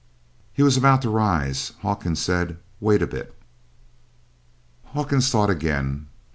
He was about to rise. Hawkins said, "Wait a bit." Hawkins thought again.